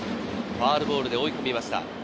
ファウルボールで追い込みました。